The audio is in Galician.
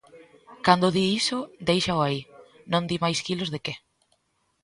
Cando di iso, déixao aí, non di máis quilos de que.